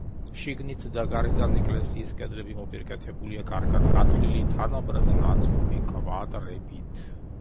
შიგნით და გარედან ეკლესიის კედლები მოპირკეთებულია კარგად გათლილი, თანაბრად ნაწყობი კვადრებით.